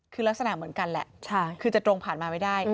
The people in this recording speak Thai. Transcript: คือลักษณะเหมือนกันแหละคือจะตรงผ่านมาไม่ได้